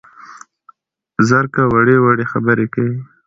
زرکه وړې وړې خبرې کوي